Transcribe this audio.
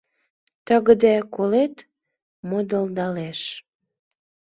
Тыгыде колет модылдалеш.